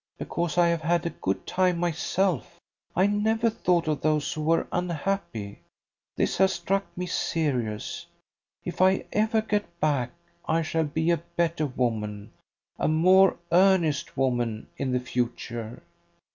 "Because I have had a good time myself, I never thought of those who were unhappy. This has struck me serious. If ever I get back I shall be a better woman a more earnest woman in the future."